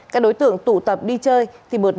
các đối tượng tụ tập đi chơi